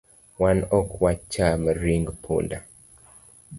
Wan ok wacham ring punda